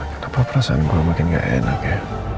kenapa perasaan gue makin gak enak ya